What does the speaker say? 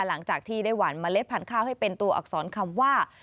หลังจากที่ได้หวานเมล็ดพันธุ์ข้าวให้เป็นตัวอักษรคำว่า